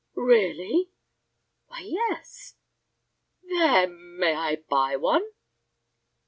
"Really?" "Why, yes." "Then—may I buy one?"